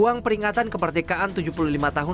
uang peringatan kemerdekaan tujuh puluh lima tahun